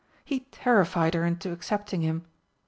He terrified her into accepting him.